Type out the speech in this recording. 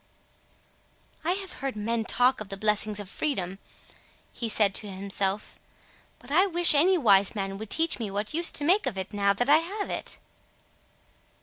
"I have heard men talk of the blessings of freedom," he said to himself, "but I wish any wise man would teach me what use to make of it now that I have it."